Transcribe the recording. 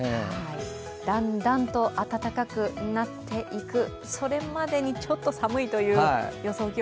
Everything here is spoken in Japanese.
だんだんと暖かくなっていく、それまでにちょっと寒いという予想